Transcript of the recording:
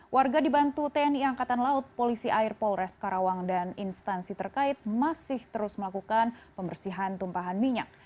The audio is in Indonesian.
warga dibantu tni angkatan laut polisi air polres karawang dan instansi terkait masih terus melakukan pembersihan tumpahan minyak